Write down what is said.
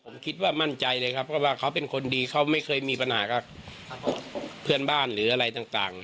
ผมคิดว่ามั่นใจเลยครับเพราะว่าเขาเป็นคนดีเขาไม่เคยมีปัญหากับเพื่อนบ้านหรืออะไรต่าง